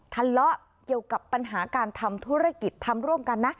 ทะเลาะเกี่ยวกับปัญหาการทำธุรกิจทำร่วมกันนะ